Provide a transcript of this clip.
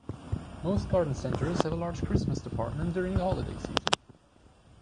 Most garden centers have a large Christmas department during the holiday season.